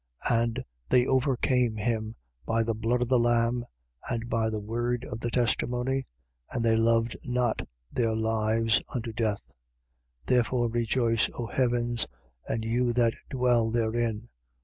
12:11. And they overcame him by the blood of the Lamb and by the word of the testimony: and they loved not their lives unto death. 12:12. Therefore, rejoice, O heavens, and you that dwell therein.